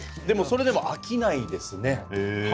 でもそれでも飽きないですね。